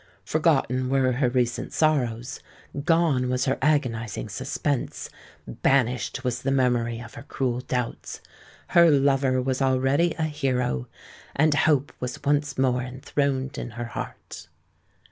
Forgotten were her recent sorrows—gone was her agonising suspense—banished was the memory of her cruel doubts;—her lover was already a hero—and hope was once more enthroned in her heart.